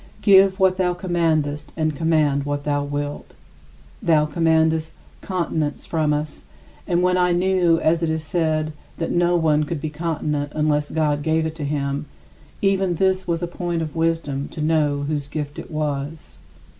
Give what thou commandest and command what thou wilt. Thou commandest continence from us, and when I knew, as it is said, that no one could be continent unless God gave it to him, even this was a point of wisdom to know whose gift it was.